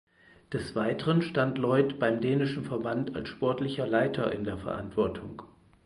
Des Weiteren stand Loyd beim dänischen Verband als Sportlicher Leiter in der Verantwortung.